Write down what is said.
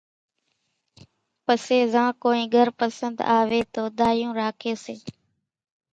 پسيَ زان ڪونئين گھر پسنۮ آويَ تو ڍايوُن راکيَ سي۔